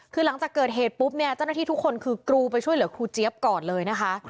คือหลังจากเกิดเหตุปุ๊บเนี่ยเจ้าหน้าที่ทุกคนคือกรูไปช่วยเหลือครูเจี๊ยบก่อนเลยนะคะ